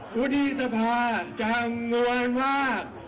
พุทธธิสภาจังหวานมาก